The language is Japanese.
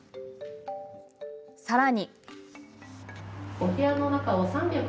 さらに。